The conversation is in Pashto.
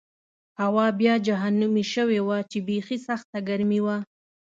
هوا بیا جهنمي شوې وه چې بېخي سخته ګرمي وه.